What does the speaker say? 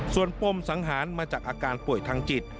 ส่วนปมสังหารมาจากอาการป่วยทางจิต